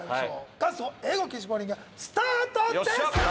元祖英語禁止ボウリングスタートです！